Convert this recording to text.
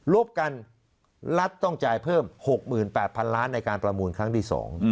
บกันรัฐต้องจ่ายเพิ่ม๖๘๐๐๐ล้านในการประมูลครั้งที่๒